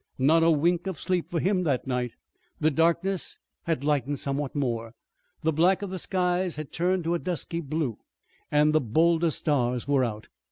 Not a wink of sleep for him that night. The darkness had lightened somewhat more. The black of the skies had turned to a dusky blue, and the bolder stars were out.